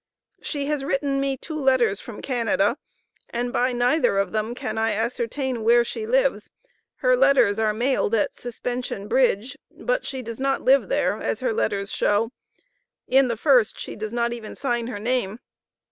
She has written me two letters from Canada, and by neither of them can I ascertain where she lives her letters are mailed at Suspension Bridge, but she does not live there as her letters show. In the first she does not even sign her name.